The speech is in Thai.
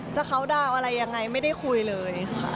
จะเค้าด่าวอะไรยังไงไม่ได้คุยเลยค่ะ